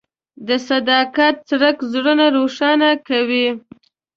د صداقت څرک زړونه روښانه کوي.